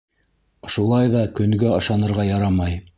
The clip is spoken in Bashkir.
Шулай ҙа көнгә ышанырға ярамай.